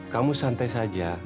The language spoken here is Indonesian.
kamu santai saja